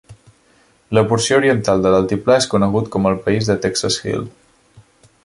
La porció oriental de l'altiplà és conegut com el país de Texas Hill.